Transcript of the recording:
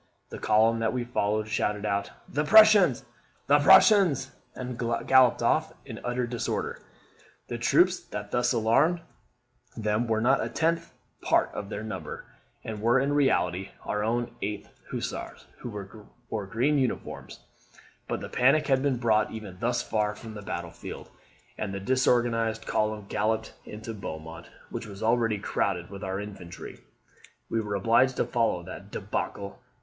The column that we followed shouted out, 'The Prussians! the Prussians!' and galloped off in utter disorder. The troops that thus alarmed them were not a tenth part of their number, and were in reality our own 8th Hussars, who wore green uniforms. But the panic had been brought even thus far from the battle field, and the disorganized column galloped into Beaumont, which was already crowded with our infantry. We were obliged to follow that DEBACLE.